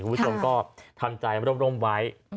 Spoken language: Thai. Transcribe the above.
วิชมก็ทำใจร่มไว้